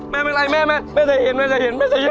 แม่เป็นไรแม่แม่ใส่เห็นแม่ใส่เห็นแม่ใส่เห็น